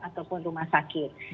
ataupun rumah sakit